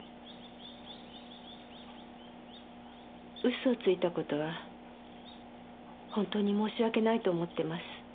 嘘をついた事は本当に申し訳ないと思ってます。